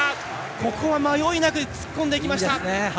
ここは迷いなく突っ込んでいきました！